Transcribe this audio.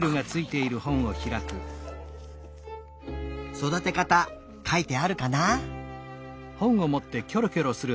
そだてかたかいてあるかな？